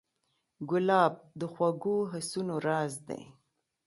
ګلاب د خوږو حسونو راز دی.